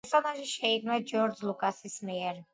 პერსონაჟი შეიქმნა ჯორჯ ლუკასის მიერ.